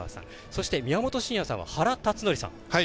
そして、宮本慎也さんは原辰徳さん。